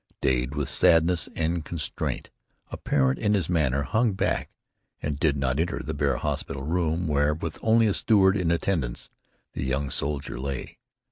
Dade, with sadness and constraint apparent in his manner, hung back and did not enter the bare hospital room where, with only a steward in attendance, the young soldier lay.